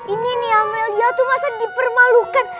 ini nih amelia tuh masa dipermalukan